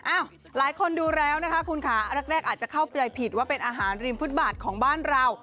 หลายคนดูแล้วนะคะคุณค่ะแรกอาจจะเข้าใจผิดว่าเป็นอาหารริมฟุตบาทของบ้านเรา